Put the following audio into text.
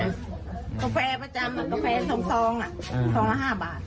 แฟคาฟแฟประจำเหนียงกาแฟสองสองอ่ะของห้าบาทอะ